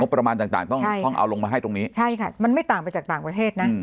ประมาณต่างต้องต้องเอาลงมาให้ตรงนี้ใช่ค่ะมันไม่ต่างไปจากต่างประเทศนะ